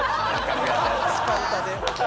スパルタで。